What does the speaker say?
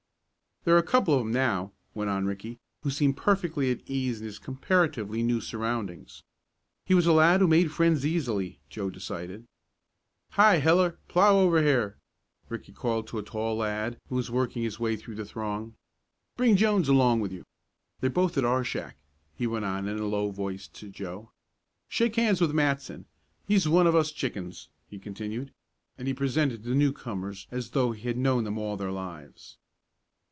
"There are a couple of 'em now," went on Ricky, who seemed perfectly at ease in his comparatively new surroundings. He was a lad who made friends easily, Joe decided. "Hi, Heller, plow over here!" Ricky called to a tall lad who was working his way through the throng. "Bring Jones along with you. They're both at our shack," he went on in a low voice to Joe. "Shake hands with Matson he's one of us chickens," he continued, and he presented the newcomers as though he had known them all their lives.